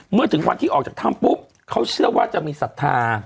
เมื่อถึงวันที่ออกจากถ้ำปุ๊บเขาเชื่อว่าจะมีศรัทธา